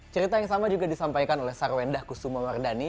cerita yang sama juga disampaikan oleh sarwenda kusuma wardani